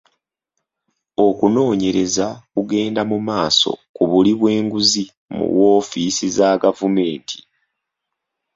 Okunoonyereza kugenda mu maaso ku buli bw'enguzi mu woofiisi za gavumenti.